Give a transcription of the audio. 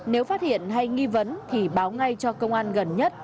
nếu phát hiện hay nghi vấn thì báo ngay cho công an gần nhất